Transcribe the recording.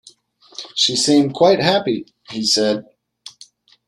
"She seems quite happy," he said.